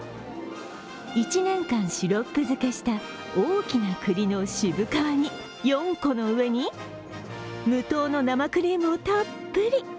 １年間、シロップ漬けした大きな栗の渋皮煮４個の上に無糖の生クリームをたっぷり。